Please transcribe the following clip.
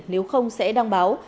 nếu không sẽ đăng báo